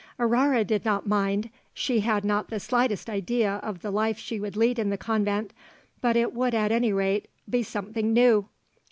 Aurore did not mind. She had not the slightest idea of the life she would lead in the convent, but it would at any rate be something new.